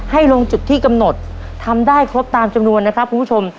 ให้ลงจุดที่กำหนดทำได้ครบตามจำนวนนะครับคุณผู้ชม